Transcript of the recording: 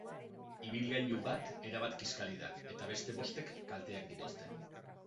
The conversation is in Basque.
Ibilgailu bat erabat kiskali da, eta beste bostek kalteak dituzte.